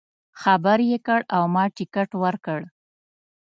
خبر یې کړ او ما ټکټ ورکړ.